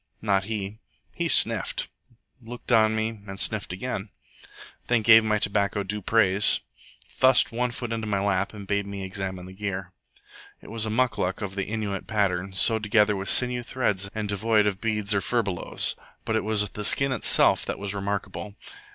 Not he. He sniffed, looked on me, and sniffed again; then gave my tobacco due praise, thrust one foot into my lap, and bade me examine the gear. It was a MUCLUC of the Innuit pattern, sewed together with sinew threads, and devoid of beads or furbelows. But it was the skin itself that was remarkable.